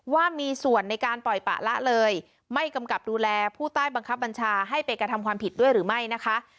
ว่ามีส่วนในการปล่อยปะละเลยไม่กำกับดูแลผู้ใต้บังคับบัญชาให้ไปกระทำความผิดด้วยหรือไม่นะคะ